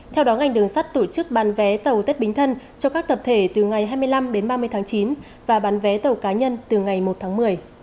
theo đó ngành đường sắt tổ chức bán vé tàu tết bính thân cho các tập thể từ ngày hai mươi năm đến ba mươi tháng chín và bán vé tàu cá nhân từ ngày một tháng một mươi